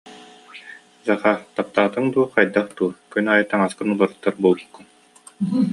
Захар, таптаатыҥ дуу, хайдах дуу, күн аайы таҥаскын уларыттар буолбуккун